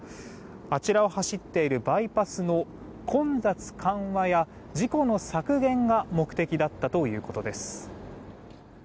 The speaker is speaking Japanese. あちらを走っているバイパスの混雑緩和や事故の削減が目的だったということです。